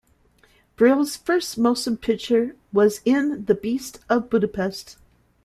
Brill's first motion picture was in "The Beast of Budapest".